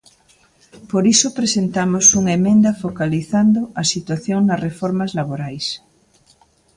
Por iso presentamos unha emenda focalizando a situación nas reformas laborais.